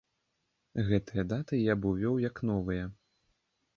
Гэтыя даты я б увёў як новыя.